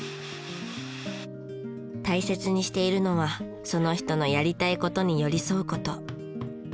大切にしているのはその人のやりたい事に寄り添う事。